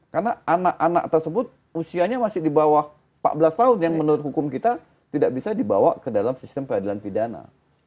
karena anak anak tersebut usianya masih di bawah empat belas tahun yang menurut hukum kita tidak bisa di bawa ke dalam sistem peradilan pidana